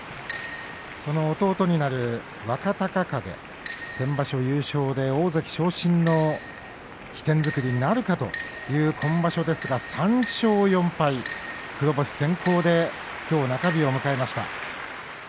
その弟になる若隆景先場所、優勝で大関昇進の起点作りになるかという今場所ですが３勝４敗、黒星先行できょう中日を迎えました。